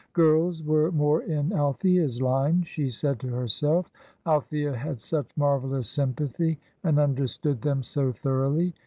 "Girls were more in Althea's line," she said to herself, "Althea had such marvellous sympathy and understood them so thoroughly.